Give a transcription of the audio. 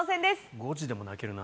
５時でも泣けるな。